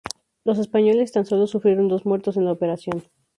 Los españoles tan sólo sufrieron dos muertos en la operación.